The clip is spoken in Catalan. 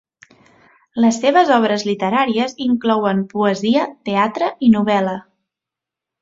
Les seves obres literàries inclouen poesia, teatre i novel·la.